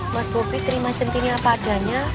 mas bobi terima centini apa adanya